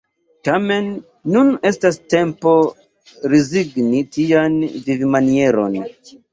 Tamen nun estas tempo rezigni tian vivmanieron.